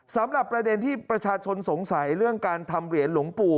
สำหรับประเด็นที่ประชาชนสงสัยเรื่องการทำเหรียญหลวงปู่